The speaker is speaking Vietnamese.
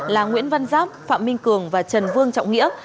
là nguyễn văn giáp phạm minh cường và trần vương trọng nghĩa